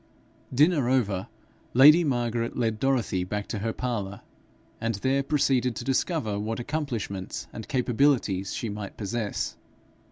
Dinner over, lady Margaret led Dorothy back to her parlour, and there proceeded to discover what accomplishments and capabilities she might possess.